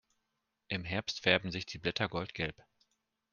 Im Herbst färben sich die Blätter goldgelb.